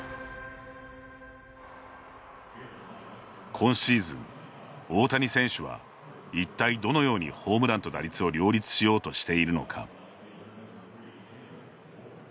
今シーズン大谷選手は一体どのようにホームランと打率を両立しようとしているのか。